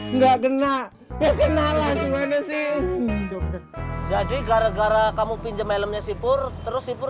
enggak gena ya kenalan gimana sih jadi gara gara kamu pinjam helmnya sipur terus sipur